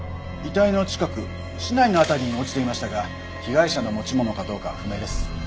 遺体の近く竹刀の辺りに落ちていましたが被害者の持ち物かどうかは不明です。